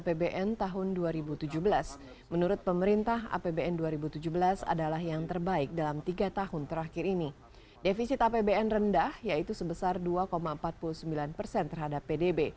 pertumbuhan ekonomi terjadi karena meningkatnya investasi dan impor barang modal